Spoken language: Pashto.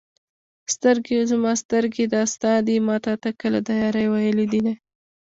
سترګې زما سترګې دا ستا دي ما تا ته کله د يارۍ ویلي دینه